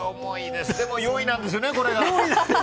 でも４位なんですよね、これが。